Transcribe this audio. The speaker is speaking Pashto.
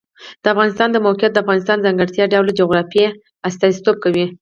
د افغانستان د موقعیت د افغانستان د ځانګړي ډول جغرافیه استازیتوب کوي.